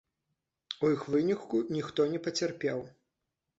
У іх выніку ніхто не пацярпеў.